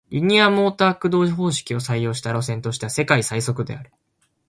リニアモーター駆動方式を採用した路線としては世界最速である